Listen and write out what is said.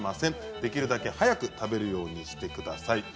できるだけ早く食べるようにしてください。